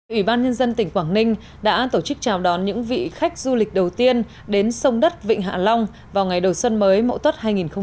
ủy ban nhân dân tỉnh quảng ninh đã tổ chức chào đón những vị khách du lịch đầu tiên đến sông đất vịnh hạ long vào ngày đầu xuân mới mẫu tốt hai nghìn hai mươi